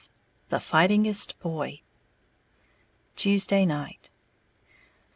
XII THE FIGHTINGEST BOY Tuesday Night.